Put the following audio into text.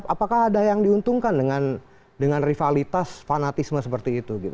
apakah ada yang diuntungkan dengan rivalitas fanatisme seperti itu